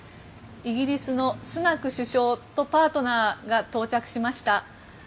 イギリスのスナク首相とパートナーが到着しました。